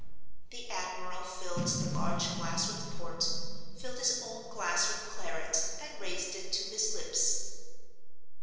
The admiral filled the large glass with port, filled his own glass with claret, and raised it to his lips.